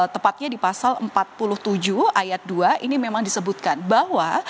tepatnya di pasal empat puluh tujuh ayat dua ini memang disebutkan bahwa